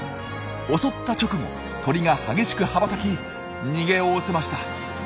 襲った直後鳥が激しく羽ばたき逃げおおせました。